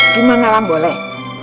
gimana lah boleh